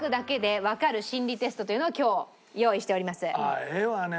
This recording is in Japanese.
あっ絵はね